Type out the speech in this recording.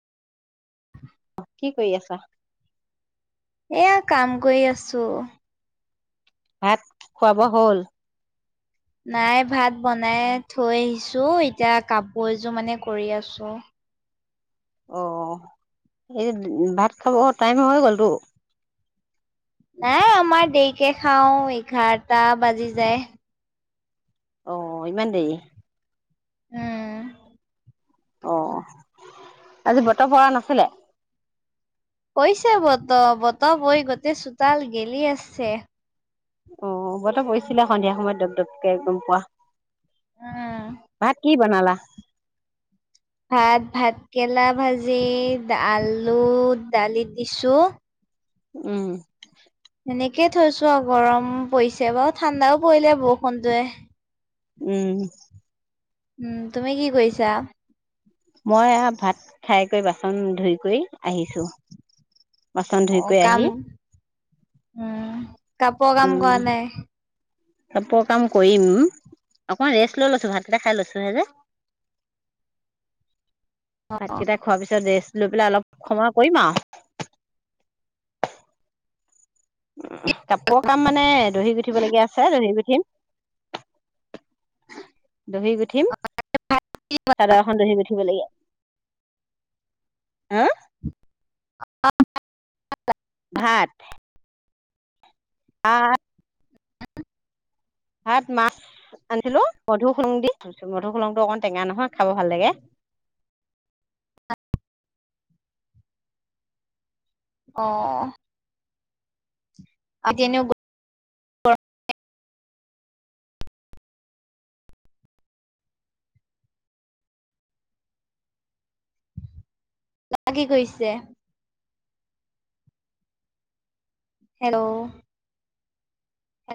আহ কি কৰি আছা এয়া কাম কৰি আছো ভাত খুৱাব হল নাই ভাত বনাই থৈ আহিছো এতিয়া কাপোৰ এযোৰ মানে কৰি আছো অ এই ভাত খাব টাইম হৈ গ'লতো নাই আমাৰ দেইকে খাও এঘাৰটা বাজি যায় অ ইমান দেই উম অ আজি বতৰ ভৰা নাছিলে কৈছে বত বত বৈ গোটেই চোতাল গেলি আছে অ বত পৰিছিলে সন্ধিয়া সময়ত ততকে একদম পোৱা উম। ভাত কি বনালা ভাত ভাতকেৰেলা ভাজি আলু দালি দিছো উম এনেকে থৈছো আৰু গৰম পৰিছে বাৰু ঠাণ্ডাও পৰিলে বৰষুণটয়ে উম উম তুমি কি কৰিছা মই ভাত খাই কৰি বাচন ধুই কৰি আহিছো বাচন অ ধুইকৈ কাম আহি উম। কাপোৰ কাম কৰা নাই। কাপোৰৰ কাম কৰিম অকমান ৰেষ্ট লৈ লৈছো ভাতকেইটা খাই লৈছো হে যে। ভাট গোটা খোৱা পিছত ৰেষ্ট লৈ পেলাই অলপ সময় কৰিম আৰু। কাপোৰ কাম মানে দহি গুঠিবলগীয়া আছে দহি গুঠিম। দহি গুঠিম চাদৰখন দহি গুঠিব লাগীয়া। হুম। ভাত। আহ ভাত মাছ আনিছিলো মধু খুলং দি তছ মধু সুলংটো অকমান টেঙা নহয় খাব ভাল লাগে। অ। আজি এনেও লাগি গৈছে। হেল্লো।